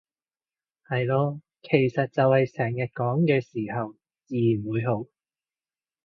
係囉，其實就係成日講嘅時候自然會好